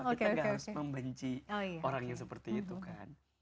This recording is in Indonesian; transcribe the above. kita gak harus membenci orang yang seperti itu kan